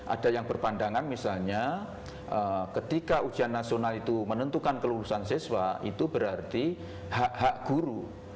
ada yang berpandangan misalnya ketika ujian nasional itu menentukan kelulusan siswa itu berarti hak hak guru